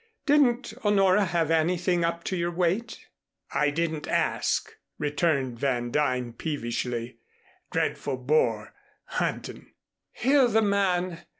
"Didn't Honora have anything up to your weight?" "I didn't ask," returned Van Duyn peevishly. "Dreadful bore, huntin' " "Hear the man!"